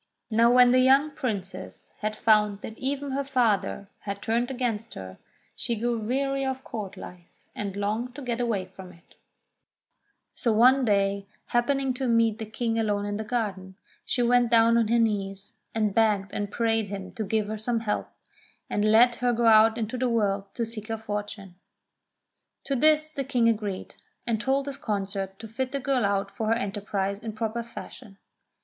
Now when the young Princess found that even her father zz\ 222 ENGLISH FAIRY TALES had turned against her, she grew weary of Court hfe, and longed to get away from it ; so, one day, happening to meet the King alone in the garden, she went down on her knees, and begged and prayed him to give her some help, and let her go out into the world to seek her fortune. To this the King agreed, and told his consort to fit the girl out for her enterprise in proper fashion.